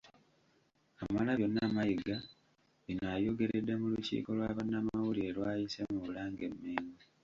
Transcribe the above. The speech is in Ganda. Kamalabyonna Mayiga bino abyogeredde mu lukiiko lwa bannamawulire lw’ayise mu Bulange- Mmengo